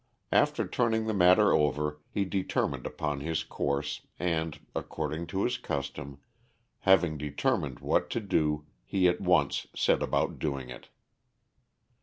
After turning the matter over he determined upon his course and, according to his custom, having determined what to do he at once set about doing it.